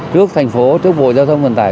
trước thành phố trước bộ giao thông cần tài